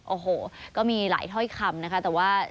โอ้โหก็มีหลายถ้อยคำนะคะแต่ว่า